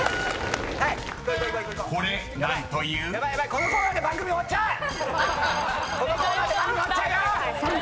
このコーナーで番組終わっちゃうよ。